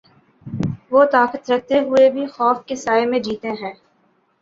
وہ طاقت رکھتے ہوئے بھی خوف کے سائے میں جیتے ہیں۔